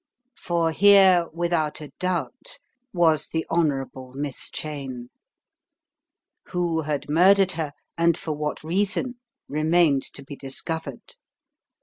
For here, without a doubt, was the Honourable Miss Cheyne. Who had murdered her, and for what reason, remained to be discovered.